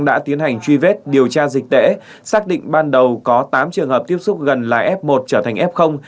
đã tiến hành truy vết điều tra dịch tễ xác định ban đầu có tám trường hợp tiếp xúc gần là f một trở thành f